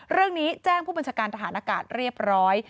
เรื่องนี้แจ้งผู้บัญชาการทหารอากาศเรียบร้อย